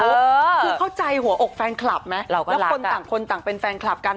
คือเข้าใจหัวอกแฟนคลับไหมแล้วคนต่างคนต่างเป็นแฟนคลับกัน